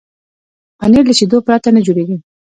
پنېر له شيدو پرته نه جوړېږي.